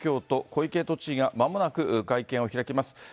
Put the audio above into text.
小池都知事がまもなく会見を開きます。